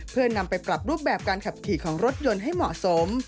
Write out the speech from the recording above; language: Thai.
เพื่อนำไปปรับรูปแบบการขับขี่ของรถยนต์ให้เหมาะสม